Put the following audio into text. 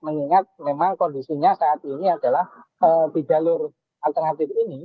mengingat memang kondisinya saat ini adalah di jalur alternatif ini